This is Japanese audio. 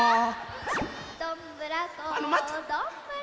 どんぶらこどんぶらこ。